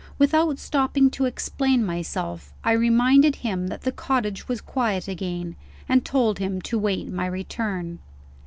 Without stopping to explain myself, I reminded him that the cottage was quiet again, and told him to wait my return.